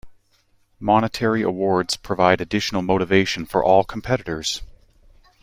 Monetary awards provide additional motivation for all competitors.